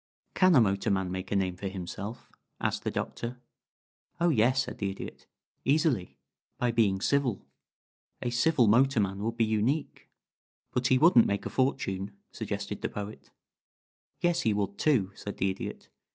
"Can a motorman make a name for himself?" asked the Doctor. "Oh yes," said the Idiot. "Easily. By being civil. A civil motorman would be unique." "But he wouldn't make a fortune," suggested the Poet. "Yes he would, too," said the Idiot.